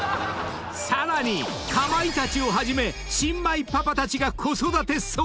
［さらにかまいたちをはじめ新米パパたちが子育て相談！］